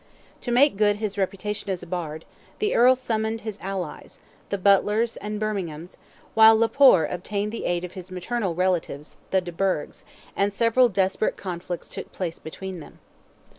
To make good his reputation as a Bard, the Earl summoned his allies, the Butlers and Berminghams, while le Poer obtained the aid of his maternal relatives, the de Burghs, and several desperate conflicts took place between them.